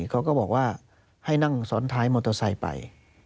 เขาก็บอกว่าให้นั่งซ้อนท้ายมอเตอร์ไซค์ไป